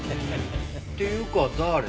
っていうか誰？